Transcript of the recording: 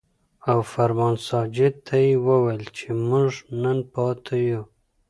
او فرمان ساجد ته يې وويل چې مونږ نن پاتې يو ـ